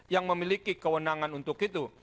yang memiliki kewenangan untuk itu